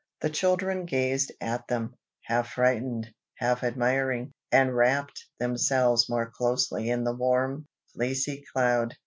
The children gazed at them, half frightened, half admiring, and wrapped themselves more closely in the warm, fleecy cloud.